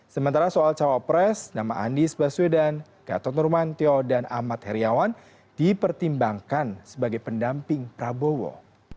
sementara soal calon pres nama andi sbaswedan gatot nurmantyo dan ahmad heriawan dipertimbangkan sebagai pendamping prabowo